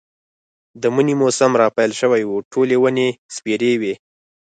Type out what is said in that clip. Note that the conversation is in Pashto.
د مني موسم را پيل شوی و، ټولې ونې سپېرې وې.